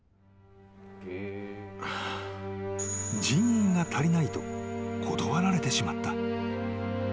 ［人員が足りないと断られてしまった］